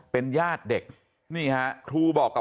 เป็นญาติเด็ก